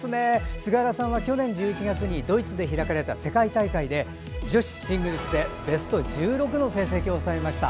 菅原さんは去年１１月にドイツで開かれた世界大会で女子シングルスでベスト１６の成績を収めました。